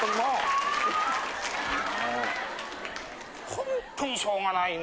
ホントにしょうがないね。